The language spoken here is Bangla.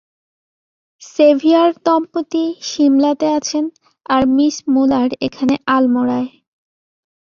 সেভিয়ার-দম্পতি সিমলাতে আছেন, আর মিস মূলার এখানে আলমোড়ায়।